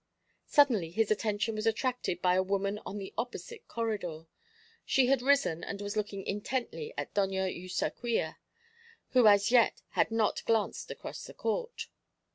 Suddenly his attention was attracted by a woman on the opposite corridor. She had risen, and was looking intently at Doña Eustaquia, who as yet had not glanced across the court.